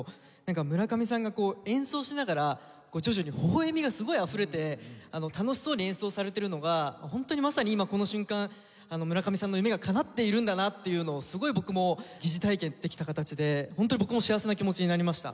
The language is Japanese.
村上さんが演奏しながら徐々にほほ笑みがすごいあふれて楽しそうに演奏されているのがホントにまさに今この瞬間村上さんの夢がかなっているんだなっていうのをすごい僕も疑似体験できた形でホントに僕も幸せな気持ちになりました。